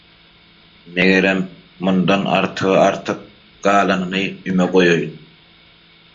Megerem, mundan artygy artyk, galanyny «üme goýaýyn».